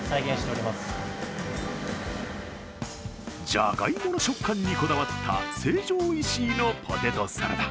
じゃがいもの食感にこだわった成城石井のポテトサラダ。